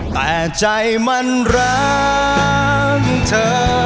แต่ใจมันรักเธอ